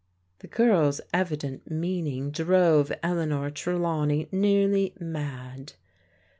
The girl's evident meaning drove Eleanor Trelawney nearly mad.